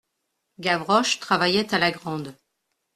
Gavroche travaillait à la grande.